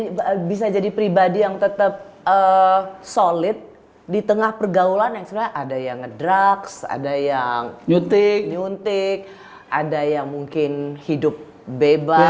tapi bisa jadi pribadi yang tetap solid di tengah pergaulan yang sebenarnya ada yang ngedrucks ada yang nyutik nyuntik ada yang mungkin hidup bebas